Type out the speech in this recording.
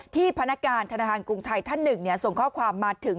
พนักงานธนาคารกรุงไทยท่านหนึ่งส่งข้อความมาถึง